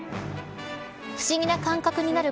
不思議な感覚になる